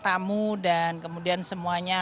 tamu dan kemudian semuanya